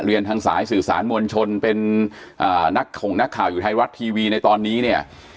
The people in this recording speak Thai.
ทางสายสื่อสารมวลชนเป็นนักข่งนักข่าวอยู่ไทยรัฐทีวีในตอนนี้เนี่ย